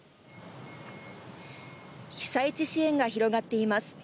被災地支援が広がっています。